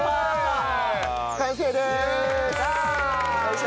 完成です！